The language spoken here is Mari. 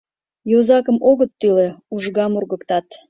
Йозакым огыт тӱлӧ — ужгам ургыктат.